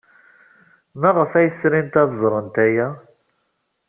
Maɣef ay srint ad ẓrent aya?